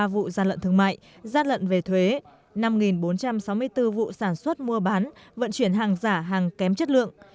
một trăm hai mươi chín bảy trăm một mươi ba vụ gian lận thương mại gian lận về thuế năm bốn trăm sáu mươi bốn vụ sản xuất mua bán vận chuyển hàng giả hàng kém chất lượng